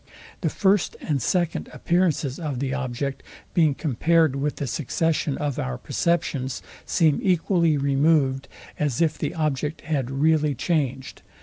The first and second appearances of the object, being compared with the succession of our perceptions, seem equally removed as if the object had really changed.